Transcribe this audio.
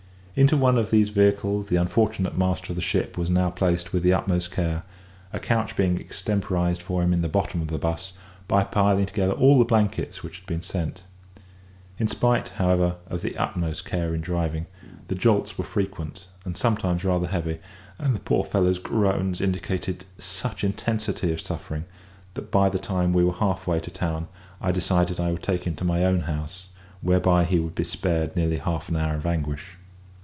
Into one of these vehicles the unfortunate master of the ship was now placed with the utmost care, a couch being extemporised for him in the bottom of the 'bus by piling together all the blankets which had been sent. In spite, however, of the utmost care in driving, the jolts were frequent, and sometimes rather heavy, and the poor fellow's groans indicated such intensity of suffering, that by the time we were half way to town I decided I would take him to my own house, whereby he would be spared nearly half an hour of anguish.